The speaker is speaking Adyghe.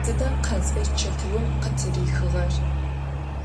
Sıda Khazbeç çetıum khıtırixığer?